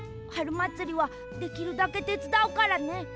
はるまつりはできるだけてつだうからね。